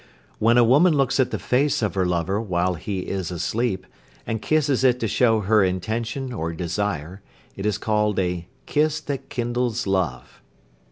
When a woman looks at the face of her lover while he is asleep, and kisses it to show her intention or desire, it is called a "kiss that kindles love."